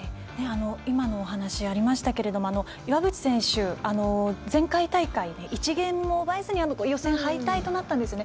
お話ありましたけれども岩渕選手、前回大会で１ゲームも奪えずに予選敗退となったんですね。